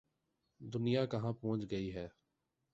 دنیا کہاں پہنچ گئی ہے۔